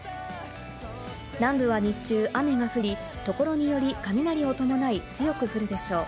南部は日中、雨が降り、所により雷を伴い強く降るでしょう。